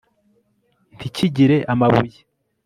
ntikigire amabuye